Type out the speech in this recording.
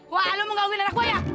wah lo mau nganggi anak gue ya